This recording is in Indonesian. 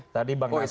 tadi bang nasir